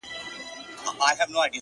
o سیاه پوسي ده. خُم چپه پروت دی.